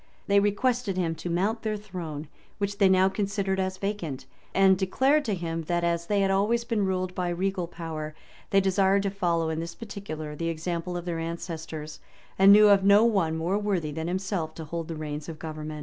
[] They requested him to mount their throne, which they now considered as vacant; and declare to him, that as they had always been ruled by regal power, they desired to follow, in this particular, the example of their ancestors, and knew of no one more worthy than himself to hold the reins of government.